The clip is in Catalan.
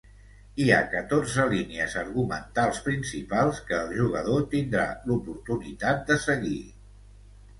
Hi ha catorze línies argumentals principals que el jugador tindrà l'oportunitat de seguir.